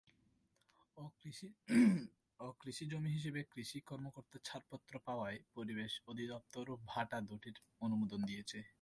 অকৃষিজমি হিসেবে কৃষি কর্মকর্তার ছাড়পত্র পাওয়ায় পরিবেশ অধিদপ্তরও ভাটা দুটির অনুমোদন দিয়েছে।